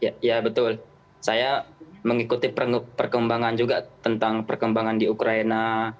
iya mbak iya betul saya mengikuti perkembangan juga tentang perkembangan di ukraina